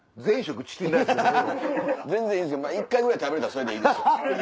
全然いいですけど一回ぐらい食べれたらそれでいいです。